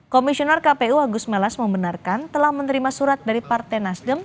komisioner kpu agus melas membenarkan telah menerima surat dari partai nasdem